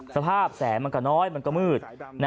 สภาพแสงมันก็น้อยมันก็มืด